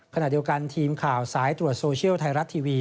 ขณะเดียวกันทีมข่าวสายตรวจโซเชียลไทยรัฐทีวี